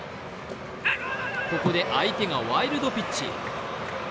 ここで相手がワイルドピッチ。